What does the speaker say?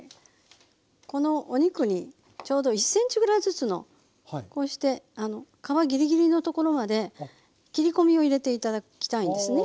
このお肉にちょうど１ｃｍぐらいずつのこうして皮ぎりぎりの所まで切り込みを入れて頂きたいんですね。